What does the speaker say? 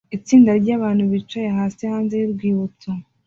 itsinda ryabantu bicaye hasi hanze yurwibutso